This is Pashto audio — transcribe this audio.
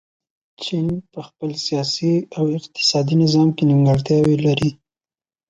چین په خپل سیاسي او اقتصادي نظام کې نیمګړتیاوې لري.